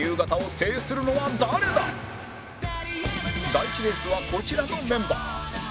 第１レースはこちらのメンバー